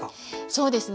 そうですね。